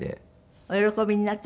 お喜びになった？